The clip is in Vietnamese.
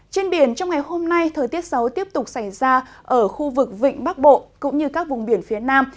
trên biển trong ngày hôm nay thời tiết xấu tiếp tục xảy ra ở khu vực vịnh bắc bộ cũng như các vùng biển phía nam